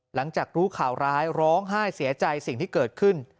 หลังจากรู้ข่าวร้ายร้องไห้เสียใจสิ่งที่เกิดขึ้น